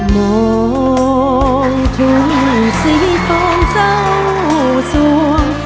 มองทุ่งสีของเจ้าสวง